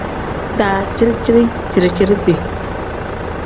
Daciri-ciri.